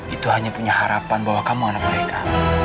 itu hanya punya harapan bahwa kamu anak mereka